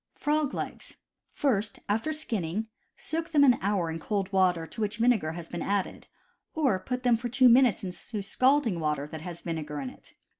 Frog Legs. — First after skinning, soak them an hour in cold water to which vinegar has been added, or put them for two minutes into scalding water that has vinegar in it.